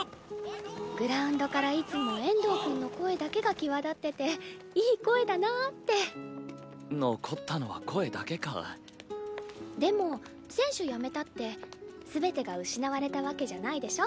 （グラウンドからいつも遠藤くんの声だけが際立ってていい声だなぁって残ったのは声だけかでも選手やめたって全てが失われたわけじゃないでしょ？